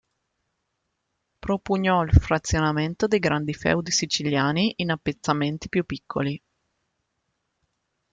Propugnò il frazionamento dei grandi feudi siciliani in appezzamenti più piccoli.